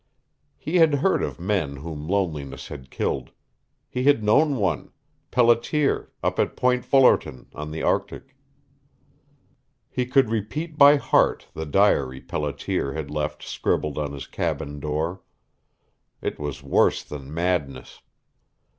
He had heard of men whom loneliness had killed. He had known one Pelletier, up at Point Fullerton, on the Arctic. He could repeat by heart the diary Pelletier had left scribbled on his cabin door. It was worse than madness.